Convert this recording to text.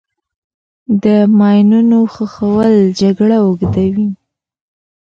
د ماینونو ښخول جګړه اوږدوي.